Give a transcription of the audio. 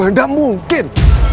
ini gak mungkin